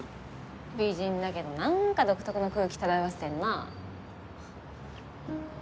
美人だけどなんか独特の空気漂わせてんなあ。